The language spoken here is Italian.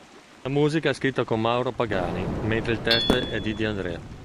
La musica è scritta con Mauro Pagani, mentre il testo è di De André.